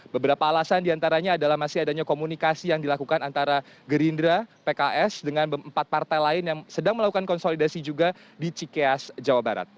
beberapa alasan diantaranya adalah masih adanya komunikasi yang dilakukan antara gerindra pks dengan empat partai lain yang sedang melakukan konsolidasi juga di cikeas jawa barat